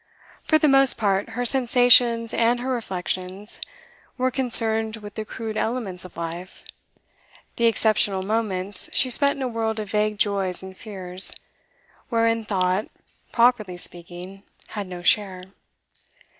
For the most part, her sensations and her reflections were concerned with the crude elements of life; the exceptional moments she spent in a world of vague joys and fears, wherein thought, properly speaking, had no share.